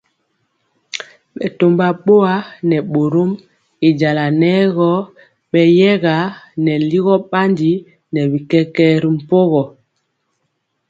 Bɛtɔmba boa nɛ bɔrɔm y jala nɛ gɔ beyɛga nɛ ligɔ bandi nɛ bi kɛkɛɛ ri mpogɔ.